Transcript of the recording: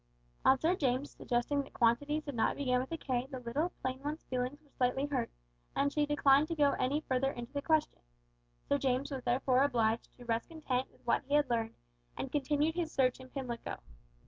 On Sir James suggesting that quantities did not begin with a K the little plain one's feelings were slightly hurt, and she declined to go any further into the question. Sir James was therefore obliged to rest content with what he had learned, and continued his search in Pimlico.